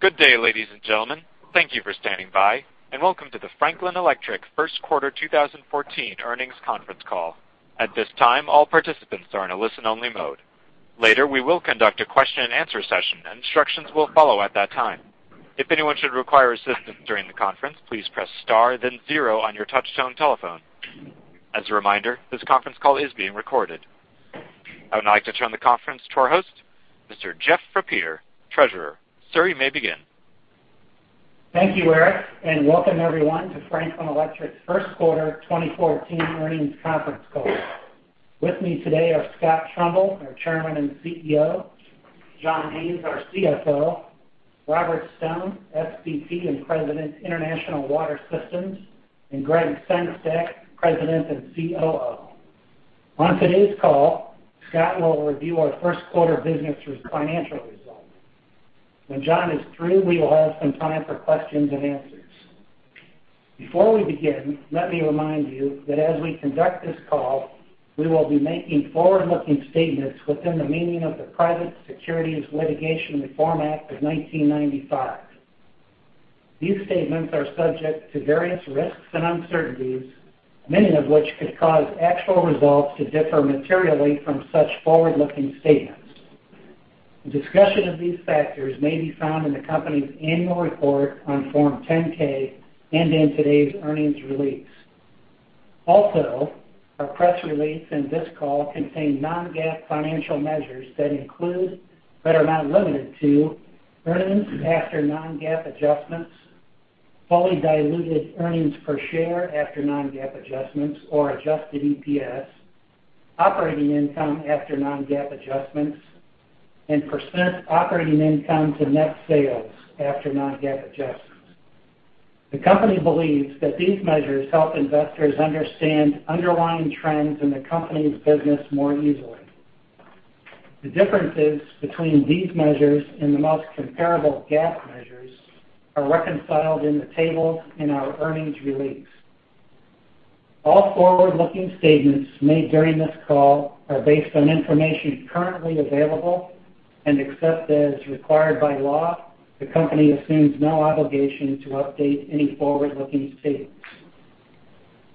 Good day, ladies and gentlemen. Thank you for standing by, and welcome to the Franklin Electric First Quarter 2014 Earnings Conference Call. At this time, all participants are in a listen-only mode. Later, we will conduct a question-and-answer session, and instructions will follow at that time. If anyone should require assistance during the conference, please press star, then zero on your touch-tone telephone. As a reminder, this conference is being recorded. I would now like to turn the conference over to our host, Mr. Jeffery L. Taylor Treasurer. Sir, you may begin. Thank you, Eric, and welcome everyone to Franklin Electric's First Quarter 2014 Earnings Conference Call. With me today are Scott Trumbull, our Chairman and CEO; John Haines, our CFO; Robert Stone, SVP and President, International Water Systems; and Gregg Sengstack, President and COO. On today's call, Scott will review our first quarter business results financial results. When John is through, we will have some time for questions and answers. Before we begin, let me remind you that as we conduct this call, we will be making forward-looking statements within the meaning of the Private Securities Litigation Reform Act of 1995. These statements are subject to various risks and uncertainties, many of which could cause actual results to differ materially from such forward-looking statements. The discussion of these factors may be found in the company's annual report on Form 10-K and in today's earnings release. Also, our press release and this call contain non-GAAP financial measures that include, but are not limited to, earnings after non-GAAP adjustments, fully diluted earnings per share after non-GAAP adjustments or adjusted EPS, operating income after non-GAAP adjustments, and percent operating income to net sales after non-GAAP adjustments. The company believes that these measures help investors understand underlying trends in the company's business more easily. The differences between these measures and the most comparable GAAP measures are reconciled in the tables in our earnings release. All forward-looking statements made during this call are based on information currently available, and except as required by law, the company assumes no obligation to update any forward-looking statements.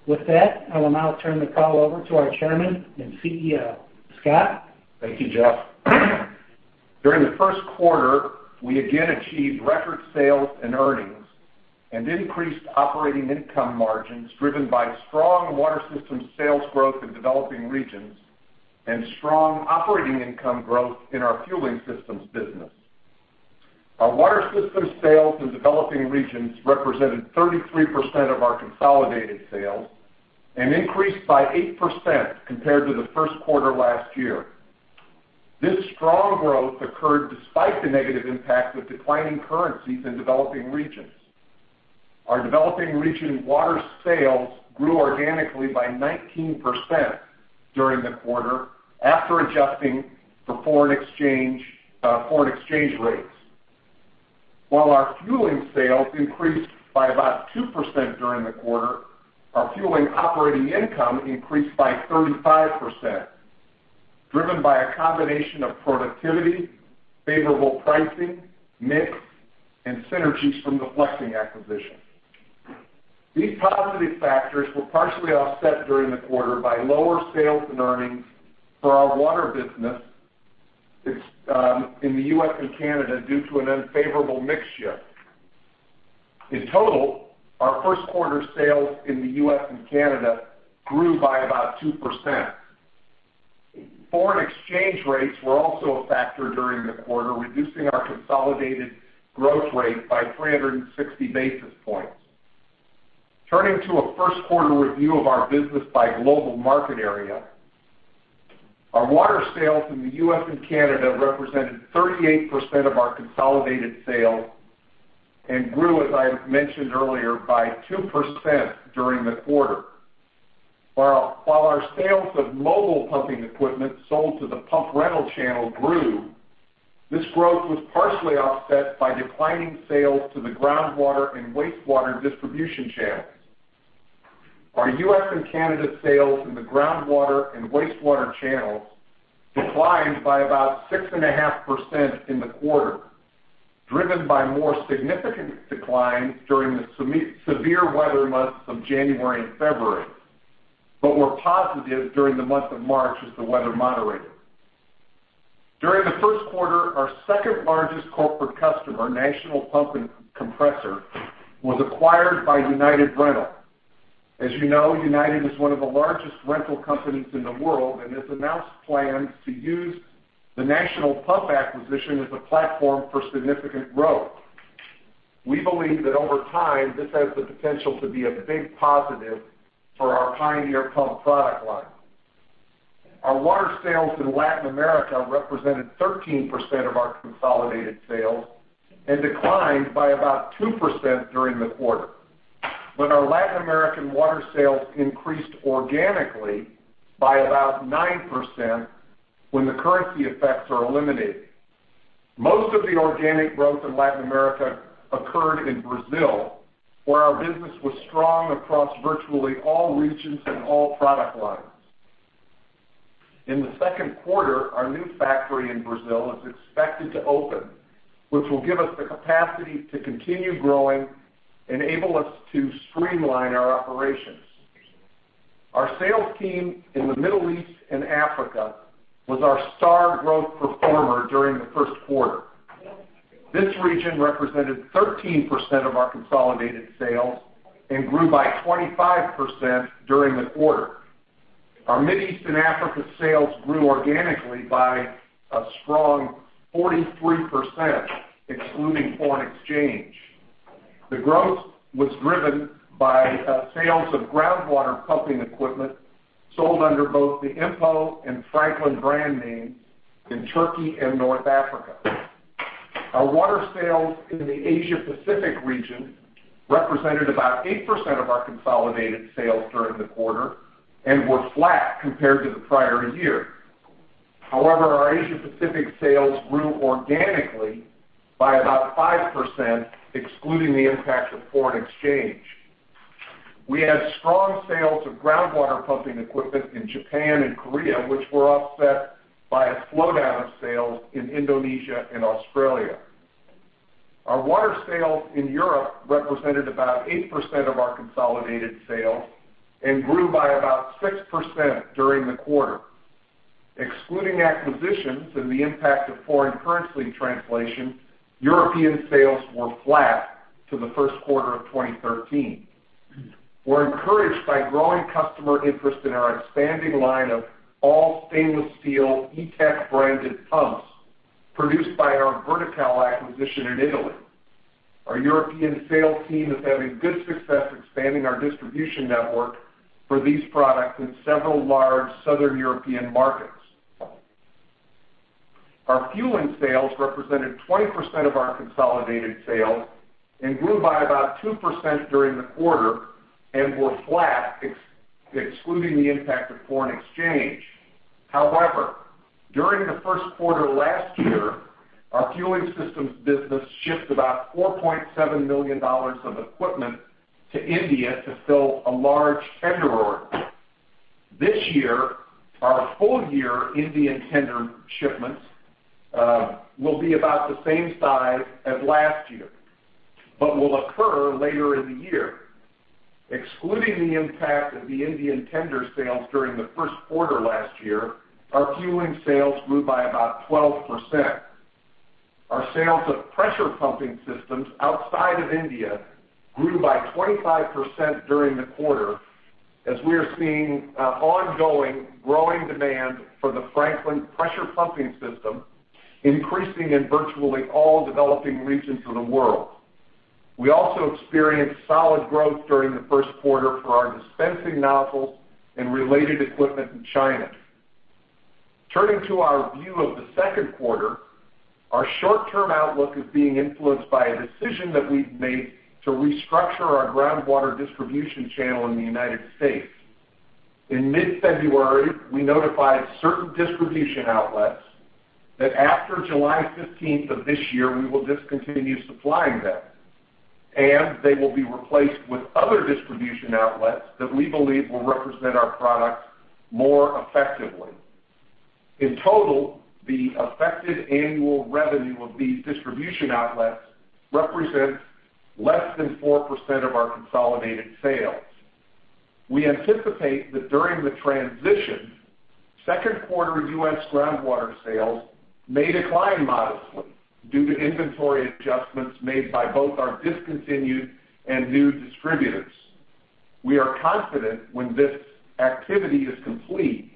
With that, I will now turn the call over to our Chairman and CEO, Scott. Thank you, Jeff. During the first quarter, we again achieved record sales and earnings and increased operating income margins driven by strong water systems sales growth in developing regions and strong operating income growth in our fueling systems business. Our water systems sales in developing regions represented 33% of our consolidated sales and increased by 8% compared to the first quarter last year. This strong growth occurred despite the negative impact of declining currencies in developing regions. Our developing region water sales grew organically by 19% during the quarter after adjusting for foreign exchange, foreign exchange rates. While our fueling sales increased by about 2% during the quarter, our fueling operating income increased by 35%, driven by a combination of productivity, favorable pricing, mix, and synergies from the FLEX-ING acquisition. These positive factors were partially offset during the quarter by lower sales and earnings for our water business, it's in the U.S. and Canada due to an unfavorable mixture. In total, our first quarter sales in the U.S. and Canada grew by about 2%. Foreign exchange rates were also a factor during the quarter, reducing our consolidated growth rate by 360 basis points. Turning to a first quarter review of our business by global market area, our water sales in the U.S. and Canada represented 38% of our consolidated sales and grew, as I mentioned earlier, by 2% during the quarter. While our sales of mobile pumping equipment sold to the pump rental channel grew, this growth was partially offset by declining sales to the groundwater and wastewater distribution channels. Our U.S. and Canada sales in the groundwater and wastewater channels declined by about 6.5% in the quarter, driven by more significant declines during the semi-severe weather months of January and February, but were positive during the month of March as the weather moderated. During the first quarter, our second-largest corporate customer, National Pump and Compressor, was acquired by United Rentals. As you know, United is one of the largest rental companies in the world and has announced plans to use the National Pump acquisition as a platform for significant growth. We believe that over time, this has the potential to be a big positive for our Pioneer Pump product line. Our water sales in Latin America represented 13% of our consolidated sales and declined by about 2% during the quarter, but our Latin American water sales increased organically by about 9% when the currency effects are eliminated. Most of the organic growth in Latin America occurred in Brazil, where our business was strong across virtually all regions and all product lines. In the second quarter, our new factory in Brazil is expected to open, which will give us the capacity to continue growing and enable us to streamline our operations. Our sales team in the Middle East and Africa was our star growth performer during the first quarter. This region represented 13% of our consolidated sales and grew by 25% during the quarter. Our Mideast and Africa sales grew organically by a strong 43%, excluding foreign exchange. The growth was driven by sales of groundwater pumping equipment sold under both the Impo and Franklin brand names in Turkey and North Africa. Our water sales in the Asia-Pacific region represented about 8% of our consolidated sales during the quarter and were flat compared to the prior year. However, our Asia-Pacific sales grew organically by about 5%, excluding the impact of foreign exchange. We had strong sales of groundwater pumping equipment in Japan and Korea, which were offset by a slowdown of sales in Indonesia and Australia. Our water sales in Europe represented about 8% of our consolidated sales and grew by about 6% during the quarter. Excluding acquisitions and the impact of foreign currency translation, European sales were flat to the first quarter of 2013. We're encouraged by growing customer interest in our expanding line of all stainless steel E-Tech branded pumps produced by our Vertical acquisition in Italy. Our European sales team is having good success expanding our distribution network for these products in several large Southern European markets. Our fueling sales represented 20% of our consolidated sales and grew by about 2% during the quarter and were flat, excluding the impact of foreign exchange. However, during the first quarter last year, our fueling systems business shipped about $4.7 million of equipment to India to fill a large tender order. This year, our full year Indian tender shipments will be about the same size as last year, but will occur later in the year. Excluding the impact of the Indian tender sales during the first quarter last year, our fueling sales grew by about 12%. Our sales of pressure pumping systems outside of India grew by 25% during the quarter as we are seeing, ongoing growing demand for the Franklin pressure pumping system increasing in virtually all developing regions of the world. We also experienced solid growth during the first quarter for our dispensing nozzles and related equipment in China. Turning to our view of the second quarter, our short-term outlook is being influenced by a decision that we've made to restructure our groundwater distribution channel in the United States. In mid-February, we notified certain distribution outlets that after July 15th of this year, we will discontinue supplying them, and they will be replaced with other distribution outlets that we believe will represent our products more effectively. In total, the affected annual revenue of these distribution outlets represents less than 4% of our consolidated sales. We anticipate that during the transition, second quarter US groundwater sales may decline modestly due to inventory adjustments made by both our discontinued and new distributors. We are confident when this activity is complete,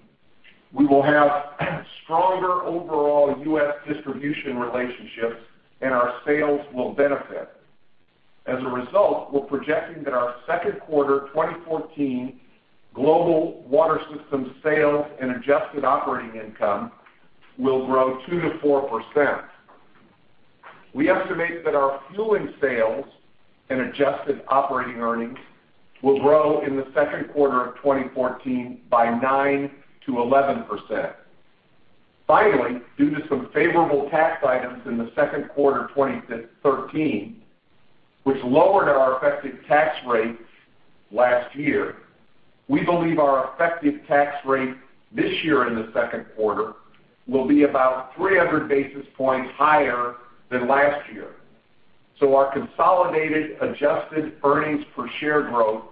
we will have stronger overall US distribution relationships, and our sales will benefit. As a result, we're projecting that our second quarter 2014 global water systems sales and adjusted operating income will grow 2%-4%. We estimate that our fueling sales and adjusted operating earnings will grow in the second quarter of 2014 by 9%-11%. Finally, due to some favorable tax items in the second quarter 2013, which lowered our effective tax rate last year, we believe our effective tax rate this year in the second quarter will be about 300 basis points higher than last year. So our consolidated adjusted earnings per share growth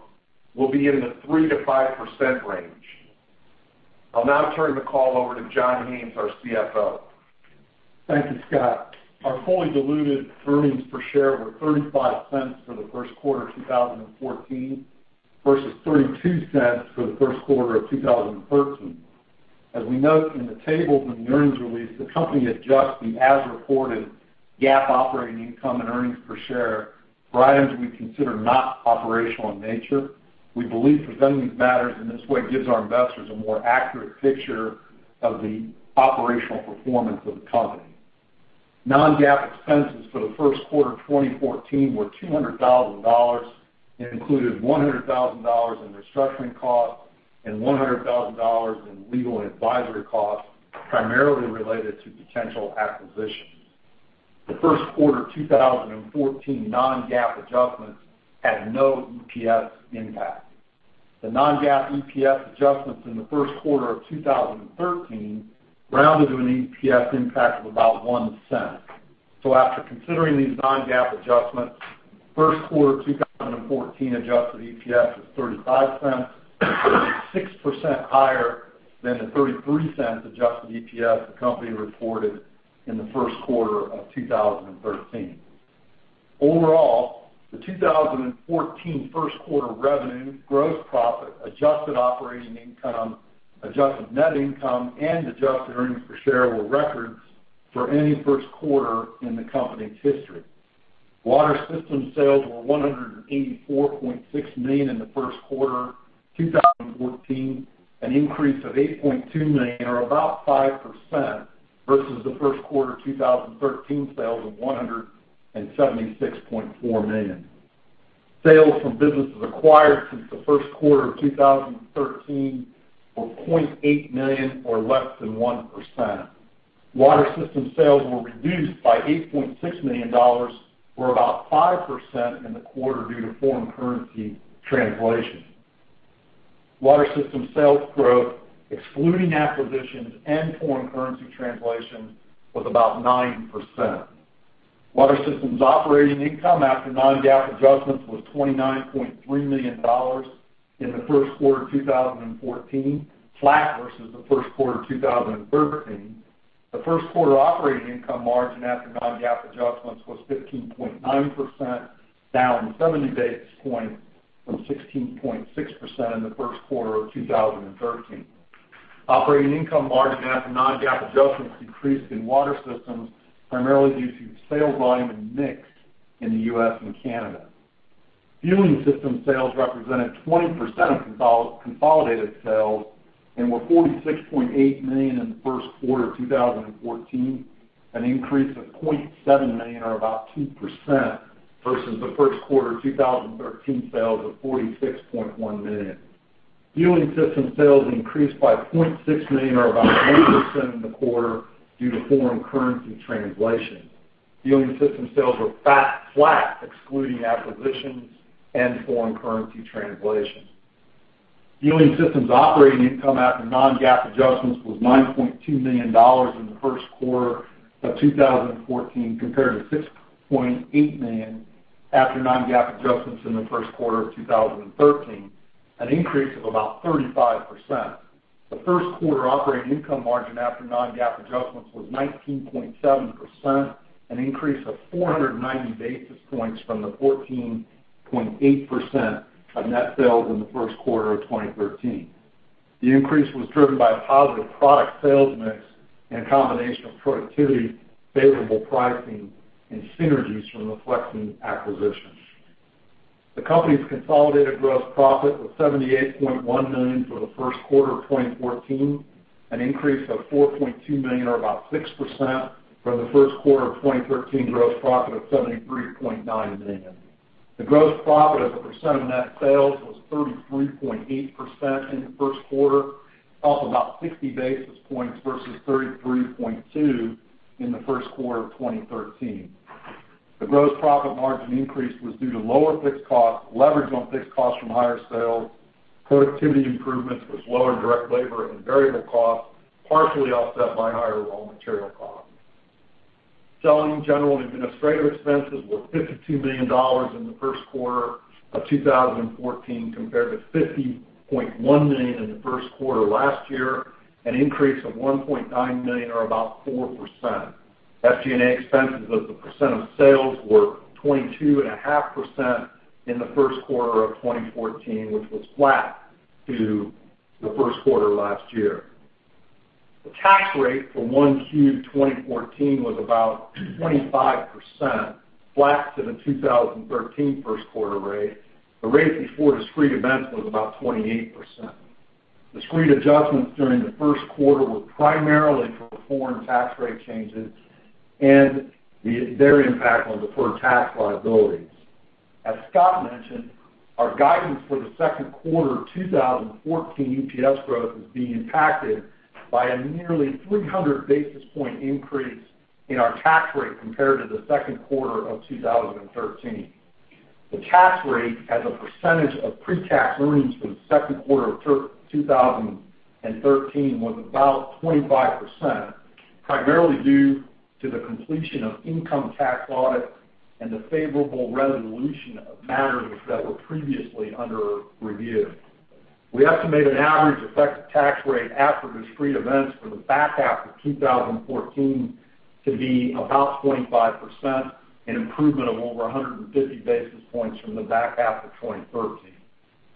will be in the 3%-5% range. I'll now turn the call over to John Haines, our CFO. Thank you, Scott. Our fully diluted earnings per share were $0.35 for the first quarter 2014 versus $0.32 for the first quarter of 2013. As we note in the tables in the earnings release, the company adjusts the as-reported GAAP operating income and earnings per share for items we consider not operational in nature. We believe presenting these matters in this way gives our investors a more accurate picture of the operational performance of the company. Non-GAAP expenses for the first quarter 2014 were $200,000 and included $100,000 in restructuring costs and $100,000 in legal and advisory costs, primarily related to potential acquisitions. The first quarter 2014 non-GAAP adjustments had no EPS impact. The non-GAAP EPS adjustments in the first quarter of 2013 rounded to an EPS impact of about $0.01. So after considering these non-GAAP adjustments, first quarter 2014 adjusted EPS was $0.35, 6% higher than the $0.33 adjusted EPS the company reported in the first quarter of 2013. Overall, the 2014 first quarter revenue, gross profit, adjusted operating income, adjusted net income, and adjusted earnings per share were records for any first quarter in the company's history. Water Systems sales were $184.6 million in the first quarter 2014, an increase of $8.2 million or about 5% versus the first quarter 2013 sales of $176.4 million. Sales from businesses acquired since the first quarter of 2013 were $0.8 million or less than 1%. Water Systems sales were reduced by $8.6 million or about 5% in the quarter due to foreign currency translation. Water Systems sales growth, excluding acquisitions and foreign currency translation, was about 9%. Water Systems operating income after non-GAAP adjustments was $29.3 million in the first quarter 2014, flat versus the first quarter 2013. The first quarter operating income margin after non-GAAP adjustments was 15.9%, down 70 basis points from 16.6% in the first quarter of 2013. Operating income margin after non-GAAP adjustments decreased in Water Systems, primarily due to sales volume and mix in the U.S. and Canada. Fueling systems sales represented 20% of consolidated sales and were $46.8 million in the first quarter of 2014, an increase of $0.7 million or about 2% versus the first quarter 2013 sales of $46.1 million. Fueling systems sales increased by $0.6 million or about 1% in the quarter due to foreign currency translation. Fueling systems sales were flat, excluding acquisitions and foreign currency translation. Fueling systems operating income after non-GAAP adjustments was $9.2 million in the first quarter of 2014 compared to $6.8 million after non-GAAP adjustments in the first quarter of 2013, an increase of about 35%. The first quarter operating income margin after non-GAAP adjustments was 19.7%, an increase of 490 basis points from the 14.8% of net sales in the first quarter of 2013. The increase was driven by a positive product sales mix and a combination of productivity, favorable pricing, and synergies from the FLEX-ING acquisition. The company's consolidated gross profit was $78.1 million for the first quarter of 2014, an increase of $4.2 million or about 6% from the first quarter of 2013 gross profit of $73.9 million. The gross profit as a percent of net sales was 33.8% in the first quarter, up about 60 basis points versus 33.2% in the first quarter of 2013. The gross profit margin increase was due to lower fixed costs, leverage on fixed costs from higher sales, productivity improvements with lower direct labor and variable costs, partially offset by higher raw material costs. Selling general and administrative expenses were $52 million in the first quarter of 2014 compared to $50.1 million in the first quarter last year, an increase of $1.9 million or about 4%. SG&A expenses as a percent of sales were 22.5% in the first quarter of 2014, which was flat to the first quarter last year. The tax rate for Q1 2014 was about 25%, flat to the 2013 first quarter rate. The rate before discrete events was about 28%. Discrete adjustments during the first quarter were primarily for foreign tax rate changes and their impact on deferred tax liabilities. As Scott mentioned, our guidance for the second quarter 2014 EPS growth is being impacted by a nearly 300 basis points increase in our tax rate compared to the second quarter of 2013. The tax rate as a percentage of pre-tax earnings for the second quarter of 2013 was about 25%, primarily due to the completion of income tax audit and the favorable resolution of matters that were previously under review. We estimate an average effective tax rate after discrete events for the back half of 2014 to be about 25%, an improvement of over 150 basis points from the back half of 2013.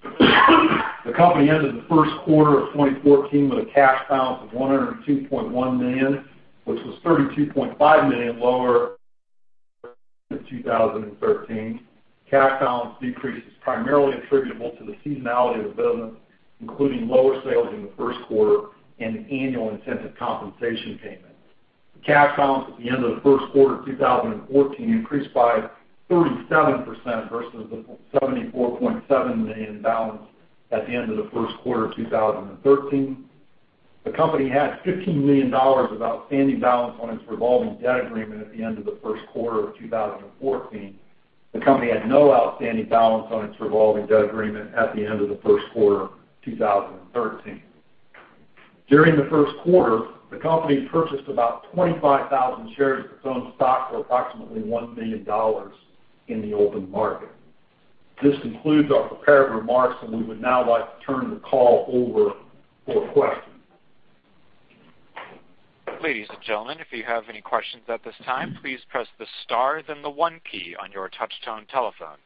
The company ended the first quarter of 2014 with a cash balance of $102.1 million, which was $32.5 million lower than 2013. Cash balance decrease is primarily attributable to the seasonality of the business, including lower sales in the first quarter and the annual incentive compensation payment. The cash balance at the end of the first quarter of 2014 increased by 37% versus the $74.7 million balance at the end of the first quarter of 2013. The company had $15 million of outstanding balance on its revolving debt agreement at the end of the first quarter of 2014. The company had no outstanding balance on its revolving debt agreement at the end of the first quarter of 2013. During the first quarter, the company purchased about 25,000 shares of its own stock for approximately $1 million in the open market. This concludes our prepared remarks, and we would now like to turn the call over for questions. Ladies and gentlemen, if you have any questions at this time, please press the star, then the one key on your touch-tone telephone.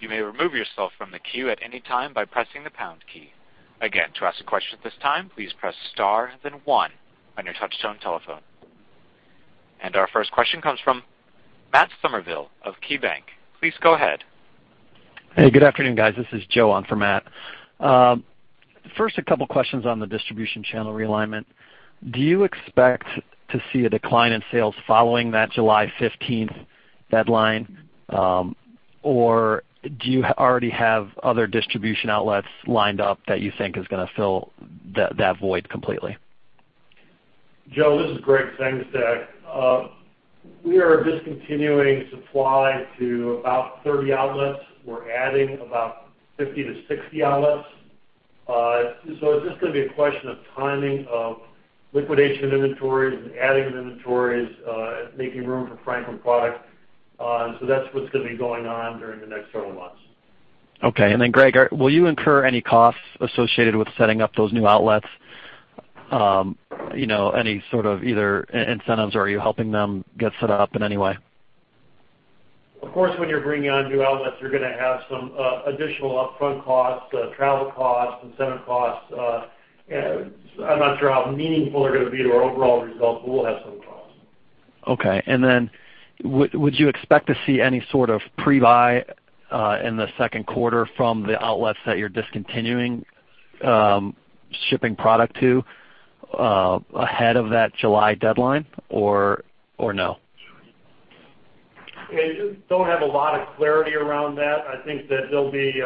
You may remove yourself from the queue at any time by pressing the pound key. Again, to ask a question at this time, please press star, then one on your touch-tone telephone. And our first question comes from Matt Somerville of KeyBanc. Please go ahead. Hey, good afternoon, guys. This is Joe. I'm from Matt. First, a couple questions on the distribution channel realignment. Do you expect to see a decline in sales following that July 15th deadline, or do you already have other distribution outlets lined up that you think is gonna fill that, that void completely? Joe, this is Gregg Sengstack. We are discontinuing supply to about 30 outlets. We're adding about 50 to 60 outlets. So it's just gonna be a question of timing of liquidation of inventories and adding of inventories, making room for Franklin products. So that's what's gonna be going on during the next several months. Okay. And then, Gregg, will you incur any costs associated with setting up those new outlets? You know, any sort of either incentives, or are you helping them get set up in any way? Of course, when you're bringing on new outlets, you're gonna have some, additional upfront costs, travel costs, incentive costs. I'm not sure how meaningful they're gonna be to our overall results, but we'll have some costs. Okay. Would you expect to see any sort of prebuy in the second quarter from the outlets that you're discontinuing, shipping product to, ahead of that July deadline, or no? I just don't have a lot of clarity around that. I think that there'll be.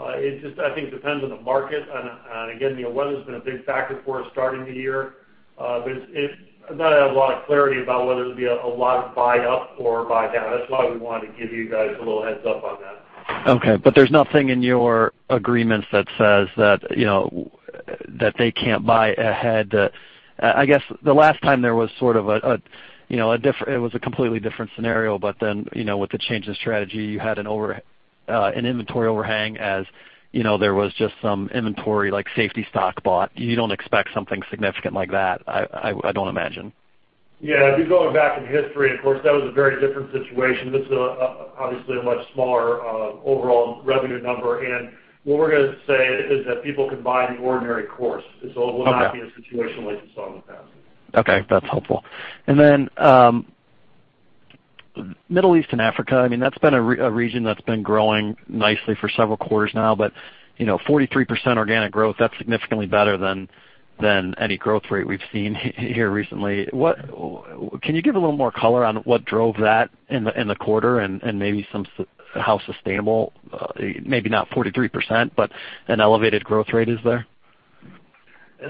It just depends on the market, I think. And again, you know, weather's been a big factor for us starting the year. I'm not gonna have a lot of clarity about whether it'll be a lot of buy-up or buy-down. That's why we wanted to give you guys a little heads up on that. Okay. But there's nothing in your agreements that says that, you know, that they can't buy ahead. That I guess the last time there was sort of a, you know, a different scenario. But then, you know, with the change in strategy, you had an inventory overhang as, you know, there was just some inventory, like, safety stock bought. You don't expect something significant like that. I don't imagine. Yeah. If you're going back in history, of course, that was a very different situation. This is obviously a much smaller overall revenue number. And what we're gonna say is that people can buy the ordinary course. It's all. Okay. Will not be a situation like you saw in the past. Okay. That's helpful. And then, Middle East and Africa, I mean, that's been a region that's been growing nicely for several quarters now. But, you know, 43% organic growth, that's significantly better than any growth rate we've seen here recently. What can you give a little more color on what drove that in the quarter and maybe somehow sustainable? I maybe not 43%, but an elevated growth rate is there? We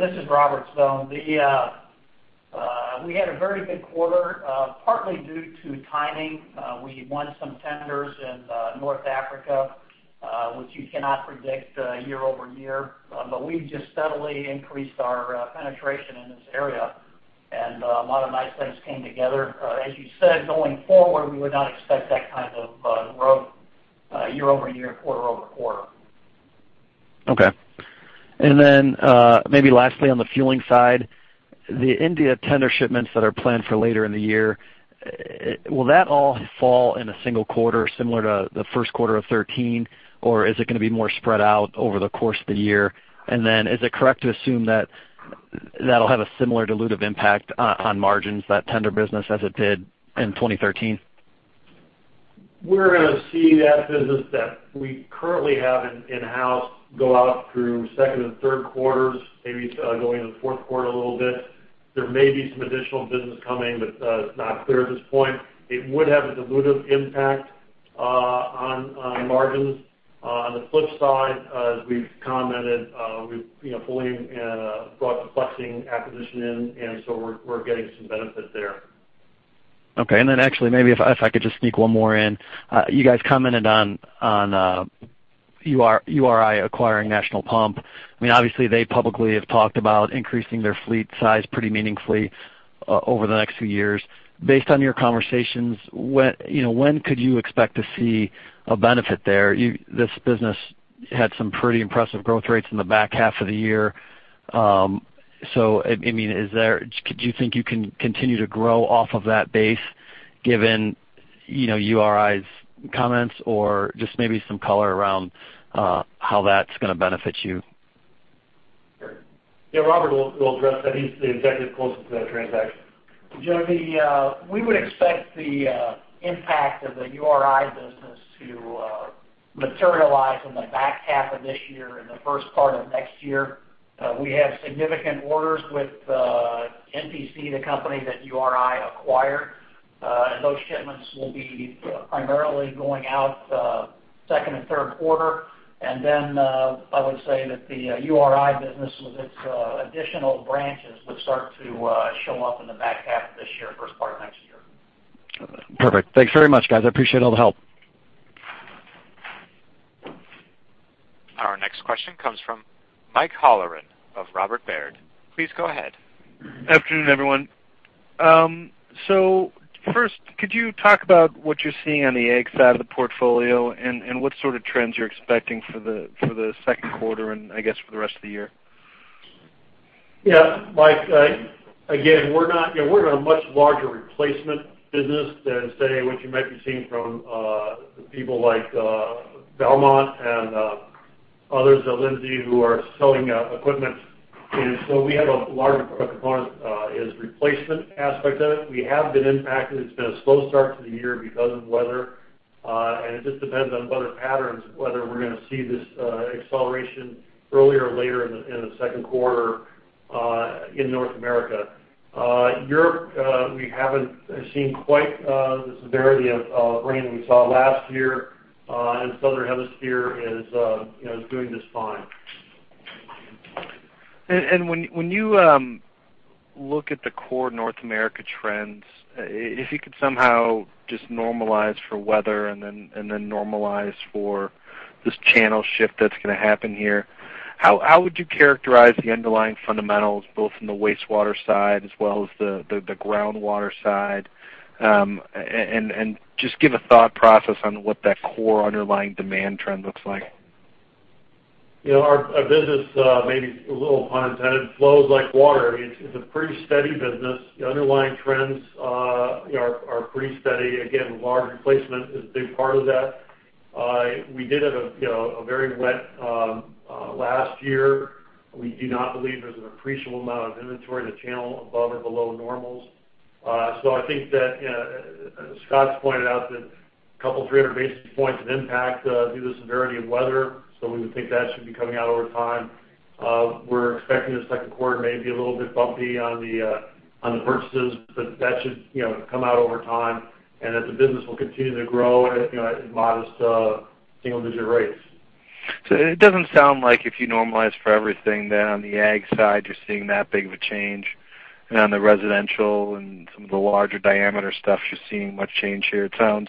had a very good quarter, partly due to timing. We won some tenders in North Africa, which you cannot predict year-over-year. But we've just steadily increased our penetration in this area, and a lot of nice things came together. As you said, going forward, we would not expect that kind of growth year-over-year, quarter-over-quarter. Okay. And then, maybe lastly, on the fueling side, the India tender shipments that are planned for later in the year, will it all fall in a single quarter similar to the first quarter of 2013, or is it gonna be more spread out over the course of the year? And then is it correct to assume that that'll have a similar dilutive impact on margins that tender business as it did in 2013? We're gonna see that business that we currently have in-house go out through second and third quarters, maybe, going into the fourth quarter a little bit. There may be some additional business coming, but it's not clear at this point. It would have a dilutive impact on margins. On the flip side, as we've commented, we've you know fully in brought the FLEX-ING acquisition in, and so we're getting some benefit there. Okay. And then actually, maybe if I could just sneak one more in. You guys commented on URI acquiring National Pump. I mean, obviously, they publicly have talked about increasing their fleet size pretty meaningfully over the next few years. Based on your conversations, when, you know, could you expect to see a benefit there? This business had some pretty impressive growth rates in the back half of the year. So, I mean, is there do you think you can continue to grow off of that base given, you know, URI's comments or just maybe some color around how that's gonna benefit you? Yeah. Robert will address that. He's the executive closest to that transaction. Joe, we would expect the impact of the URI business to materialize in the back half of this year and the first part of next year. We have significant orders with NPC, the company that URI acquired. And those shipments will be primarily going out second and third quarter. And then, I would say that the URI business with its additional branches would start to show up in the back half of this year, first part of next year. Okay. Perfect. Thanks very much, guys. I appreciate all the help. Our next question comes from Mike Halloran of Robert W. Baird. Please go ahead. Afternoon, everyone. First, could you talk about what you're seeing on the ag side of the portfolio and what sort of trends you're expecting for the second quarter and, I guess, for the rest of the year? Yeah. Mike, again, we're not, you know, we're in a much larger replacement business than, say, what you might be seeing from the people like Valmont and others at Lindsay who are selling equipment. And so we have a larger P&A component, is replacement aspect of it. We have been impacted. It's been a slow start to the year because of weather, and it just depends on weather patterns whether we're gonna see this acceleration earlier or later in the second quarter in North America. Europe, we haven't seen quite the severity of rain that we saw last year, and southern hemisphere is, you know, is doing just fine. And when you look at the core North America trends, if you could somehow just normalize for weather and then normalize for this channel shift that's gonna happen here, how would you characterize the underlying fundamentals, both in the wastewater side as well as the groundwater side? And just give a thought process on what that core underlying demand trend looks like. You know, our, our business, maybe a little pun intended, flows like water. I mean, it's, it's a pretty steady business. The underlying trends, you know, are, are pretty steady. Again, large replacement is a big part of that. We did have a, you know, a very wet last year. We do not believe there's an appreciable amount of inventory in the channel above or below normals. So I think that, you know, Scott's pointed out that a couple 300 basis points of impact, due to the severity of weather, so we would think that should be coming out over time. We're expecting this second quarter may be a little bit bumpy on the, on the purchases, but that should, you know, come out over time and that the business will continue to grow at, you know, at modest, single-digit rates. It doesn't sound like if you normalize for everything, then on the ag side, you're seeing that big of a change. On the residential and some of the larger diameter stuff, you're seeing much change here. It sounds,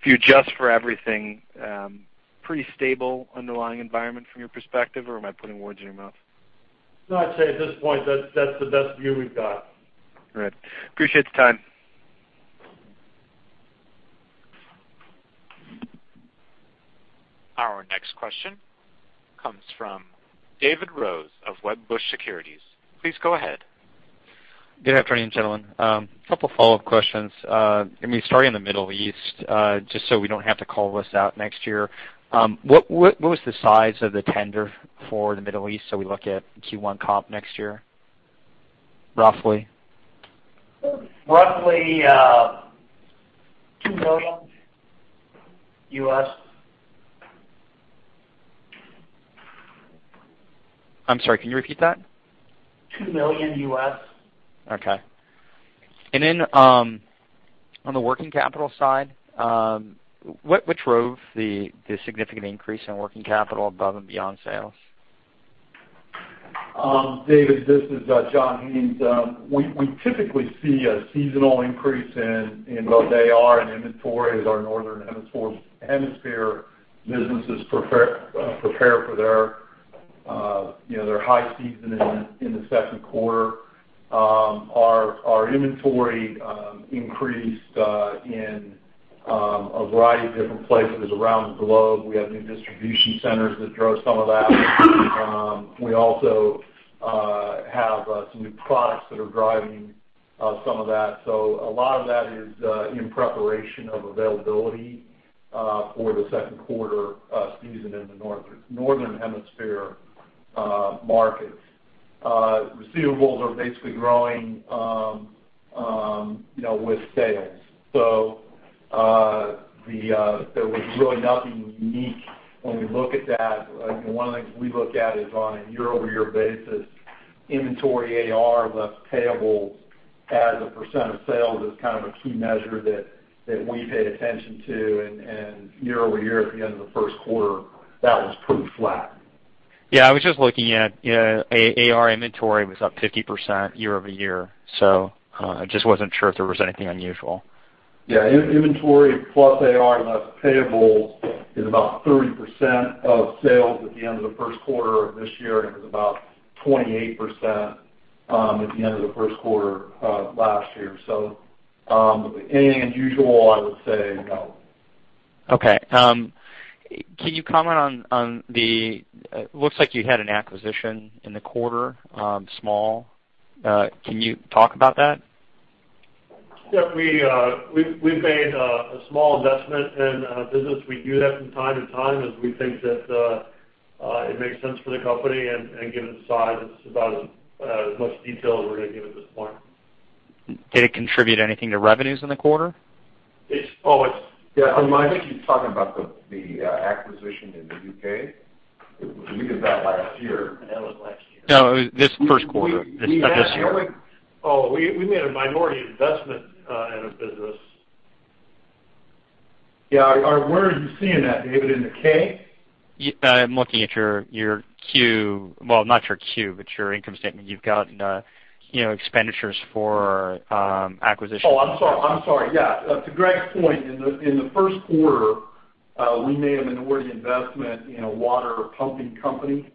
if you adjust for everything, pretty stable underlying environment from your perspective, or am I putting words in your mouth? No, I'd say at this point, that's, that's the best view we've got. All right. Appreciate the time. Our next question comes from David Rose of Wedbush Securities. Please go ahead. Good afternoon, gentlemen. Couple follow-up questions. I mean, starting in the Middle East, just so we don't have to call this out next year, what was the size of the tender for the Middle East so we look at Q1 comp next year, roughly? Roughly, $2 million. I'm sorry. Can you repeat that? $2 million. Okay. On the working capital side, what drove the significant increase in working capital above and beyond sales? David, this is John Haines. We typically see a seasonal increase in what they are in inventory as our northern hemisphere businesses prepare for their, you know, their high season in the second quarter. Our inventory increased in a variety of different places around the globe. We have new distribution centers that drove some of that. We also have some new products that are driving some of that. So a lot of that is in preparation of availability for the second quarter season in the northern hemisphere markets. Receivables are basically growing, you know, with sales. So there was really nothing unique when we look at that. You know, one of the things we look at is on a year-over-year basis, inventory AR left payables as a % of sales is kind of a key measure that we pay attention to. Year-over-year, at the end of the first quarter, that was pretty flat. Yeah. I was just looking at, you know, our inventory was up 50% year-over-year. So, I just wasn't sure if there was anything unusual. Yeah. Inventory plus AR less payables is about 30% of sales at the end of the first quarter of this year, and it was about 28% at the end of the first quarter last year. So, anything unusual, I would say no. Okay. Can you comment on the, it looks like you had an acquisition in the quarter, small. Can you talk about that? Yeah. We've made a small investment in business. We do that from time to time as we think that it makes sense for the company. And given the size, it's about as much detail as we're gonna give at this point. Did it contribute anything to revenues in the quarter? Yeah. So, Mike. I think he's talking about the acquisition in the U.K. We did that last year. That was last year. No, it was this first quarter, this year, this year. We made a minority investment in a business. Yeah. Or, where are you seeing that, David, in the K? I'm looking at your, your Q, well, not your Q, but your income statement. You've gotten, you know, expenditures for acquisitions. Oh, I'm sorry. I'm sorry. Yeah. To Gregg's point, in the first quarter, we made a minority investment in a water pumping company.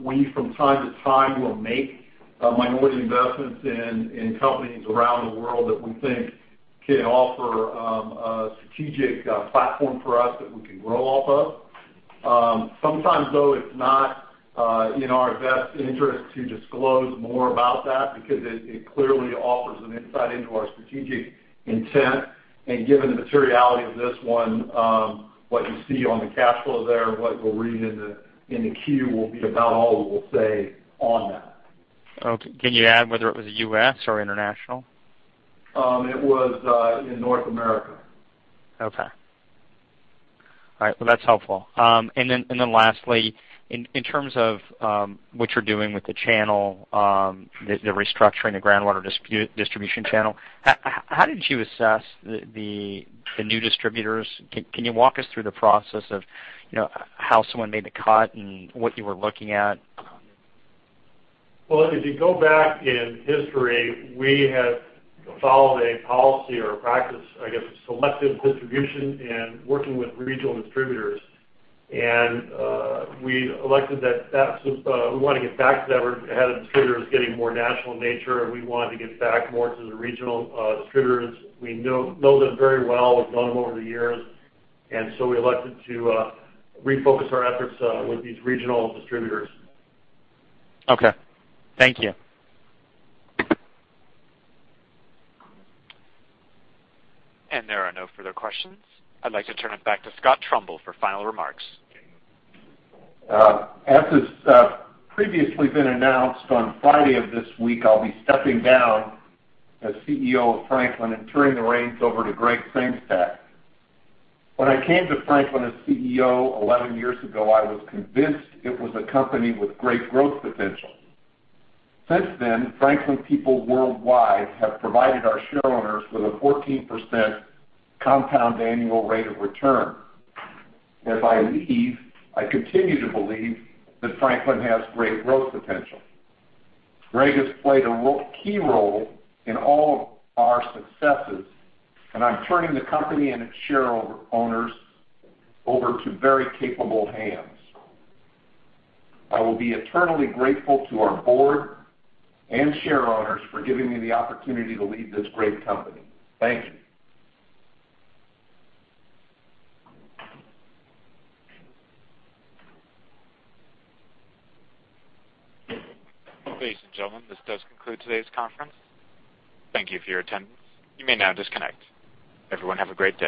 We, from time to time, will make minority investments in companies around the world that we think can offer a strategic platform for us that we can grow off of. Sometimes, though, it's not in our best interest to disclose more about that because it clearly offers an insight into our strategic intent. And given the materiality of this one, what you see on the cash flow there, what you'll read in the Q will be about all we'll say on that. Okay. Can you add whether it was U.S. or international? It was in North America. Okay. All right. Well, that's helpful. And then lastly, in terms of what you're doing with the channel, the restructuring the groundwater distribution channel, how did you assess the new distributors? Can you walk us through the process of, you know, how someone made the cut and what you were looking at? Well, if you go back in history, we have followed a policy or a practice, I guess, of selective distribution and working with regional distributors. And we elected that we wanted to get back to that. We had our distributors getting more national in nature, and we wanted to get back more to the regional distributors. We know them very well. We've known them over the years. And so we elected to refocus our efforts with these regional distributors. Okay. Thank you. There are no further questions. I'd like to turn it back to Scott Trumbull for final remarks. As has previously been announced on Friday of this week, I'll be stepping down as CEO of Franklin and turning the reins over to Gregg Sengstack. When I came to Franklin as CEO 11 years ago, I was convinced it was a company with great growth potential. Since then, Franklin people worldwide have provided our shareholders with a 14% compound annual rate of return. As I leave, I continue to believe that Franklin has great growth potential. Gregg has played a key role in all of our successes, and I'm turning the company and its shareholders over to very capable hands. I will be eternally grateful to our board and shareholders for giving me the opportunity to lead this great company. Thank you. Well, ladies and gentlemen, this does conclude today's conference. Thank you for your attendance. You may now disconnect. Everyone, have a great day.